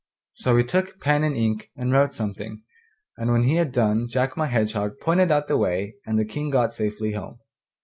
So he took pen and ink and wrote something, and when he had done Jack my Hedgehog pointed out the way and the King got safely home.